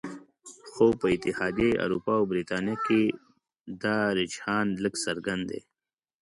خو په اتحادیه اروپا او بریتانیا کې دا رجحان لږ څرګند دی